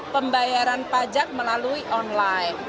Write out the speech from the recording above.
pembayaran pajak melalui online